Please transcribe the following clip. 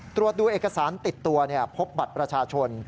ตรวจดูเอกสารติดตัวพบบัตรประชาชน